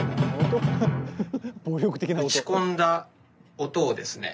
打ち込んだ音をですね。